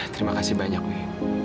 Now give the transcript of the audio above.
terima kasih banyak wi